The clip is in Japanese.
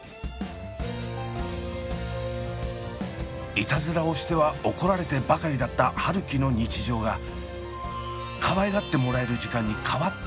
イタズラをしては怒られてばかりだった春輝の日常がかわいがってもらえる時間に変わってきました。